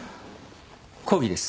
抗議です。